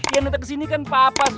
yang datang kesini papa